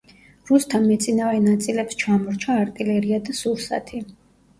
რუსთა მეწინავე ნაწილებს ჩამორჩა არტილერია და სურსათი.